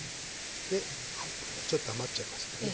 でちょっと余っちゃいますけどね。